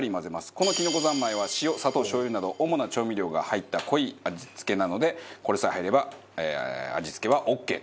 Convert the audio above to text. このきのこ三昧は塩砂糖しょう油など主な調味料が入った濃い味付けなのでこれさえ入れば味付けはオーケーという事で。